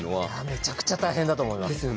めちゃくちゃ大変だと思います。